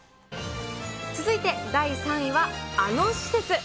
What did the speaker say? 続いて第３位は、あの施設。